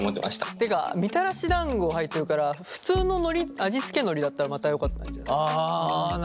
っていうかみたらし団子入ってるから普通ののり味付けのりだったらまたよかったんじゃないかな。